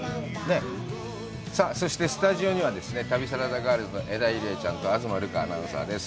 さあ、そしてスタジオには旅サラダガールズの江田友莉亜ちゃんと東留伽アナウンサーです。